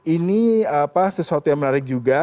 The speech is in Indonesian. ini sesuatu yang menarik juga